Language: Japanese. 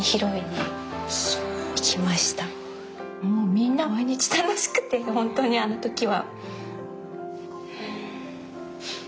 みんな毎日楽しくてホントにあの時は。